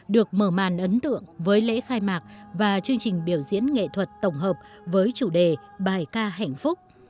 được mở màn ấn tượng với lễ khai mạc và chương trình biểu diễn nghệ thuật tổng hợp với chủ đề bài ca hạnh phúc